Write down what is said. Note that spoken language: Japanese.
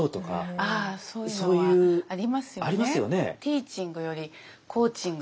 ああそういうのはありますよね。